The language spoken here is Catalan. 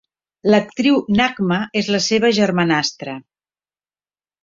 L'actriu Nagma és la seva germanastra.